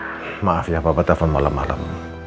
din maaf ya papa telepon malam malam